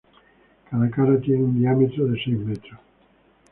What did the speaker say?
Cada cara tiene un diámetro de seis metros.